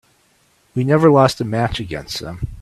We never lost a match against them.